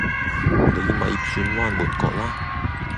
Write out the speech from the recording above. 你咪轉彎抹角喇